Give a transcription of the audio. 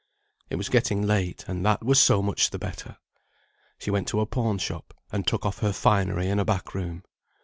It was getting late, and that was so much the better. She went to a pawn shop, and took off her finery in a back room.